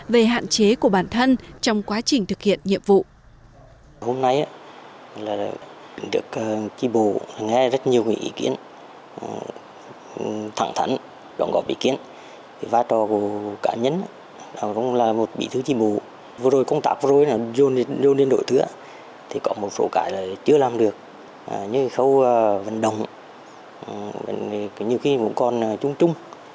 về hạn chế của bản thân trong quá trình thực hiện nhiệm vụ